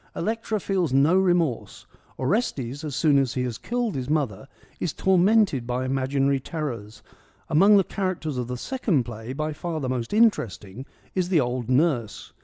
Electra feels no remorse ; Orestes, as soon as he has killed his mother, is tormented by imaginary terrors. Among the char acters of the second play, by far the most interesting is the old Nurse.